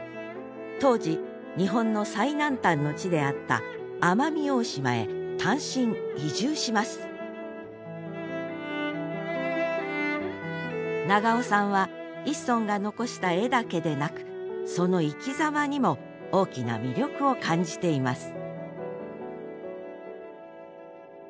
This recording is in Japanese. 当時日本の最南端の地であった奄美大島へ単身移住します長尾さんは一村が残した絵だけでなくその生きざまにも大きな魅力を感じています